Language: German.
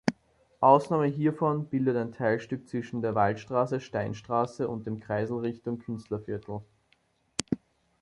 Ausnahme hiervon bildet ein Teilstück zwischen der Waldstraße, Steinstraße und dem Kreisel Richtung Künstlerviertel.